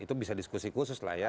itu bisa diskusi khusus lah ya